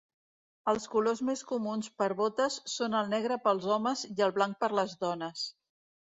Els colors més comuns per botes són el negre pels homes i el blanc per les dones.